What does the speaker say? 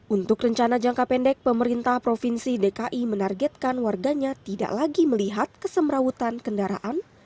untuk rencana jangka pendek pemerintah provinsi dki menargetkan warganya tidak lagi melihat kesemrawutan kendaraan